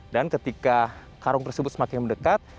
dan ketika karung tersebut semakin mendekat